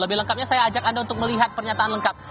lebih lengkapnya saya ajak anda untuk melihat pernyataan lengkap